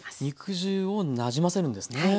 肉汁をなじませるんですね。